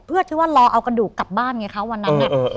เพื่อที่ว่ารอเอากระดูกกลับบ้านไงคะวันนั้น